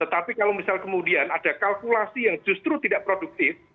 tetapi kalau misal kemudian ada kalkulasi yang justru tidak produktif